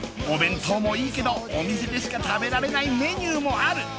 お弁当もいいけどお店でしか食べられないメニューもある！